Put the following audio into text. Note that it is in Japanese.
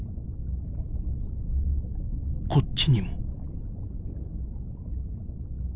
こっちにも。